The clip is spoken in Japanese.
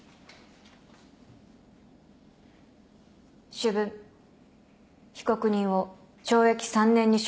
主文被告人を懲役３年に処する。